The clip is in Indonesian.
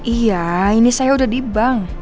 iya ini saya udah dibang